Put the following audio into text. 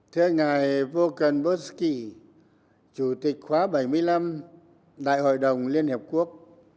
thưa ngài volkanovsky chủ tịch khóa bảy mươi năm đại hội đồng liên hợp quốc